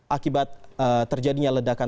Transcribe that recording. akibat terjadinya ledakan